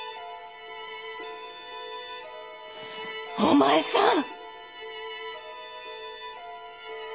お前さん！